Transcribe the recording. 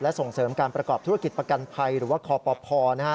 และส่งเสริมการประกอบธุรกิจประกันภัยหรือว่าคอปภนะฮะ